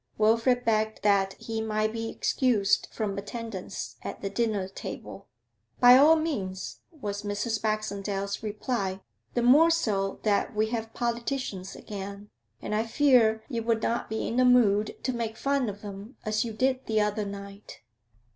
Wilfrid begged that he might be excused from attendance at the dinner table. 'By all means,' was Mrs. Baxendale's reply. 'The more so that we have politicians again, and I fear you would not be in the mood to make fun of them as you did the other night.'